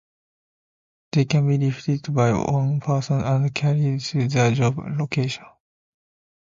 They can be lifted by one person and carried to the job location.